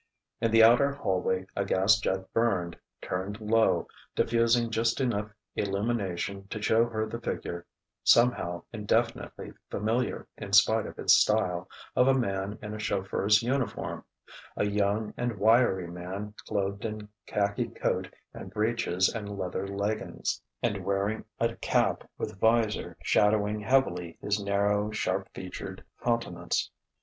In the outer hallway a gas jet burned, turned low, diffusing just enough illumination to show her the figure, somehow indefinitely familiar in spite of its style, of a man in a chauffeur's uniform: a young and wiry man clothed in khaki coat and breeches and leather leggins, and wearing a cap with visor shadowing heavily his narrow, sharp featured countenance.